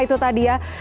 itu tadi ya